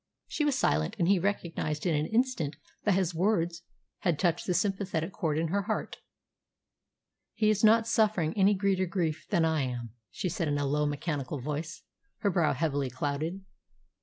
She was silent, and he recognised in an instant that his words had touched the sympathetic chord in her heart. "He is not suffering any greater grief than I am," she said in a low, mechanical voice, her brow heavily clouded.